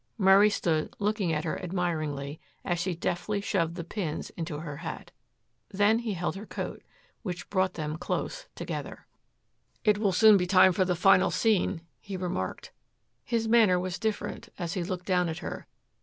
Murray stood looking at her admiringly as she deftly shoved the pins into her hat. Then he held her coat, which brought them close together. "It will soon be time for the final scene," he remarked. His manner was different as he looked down at her.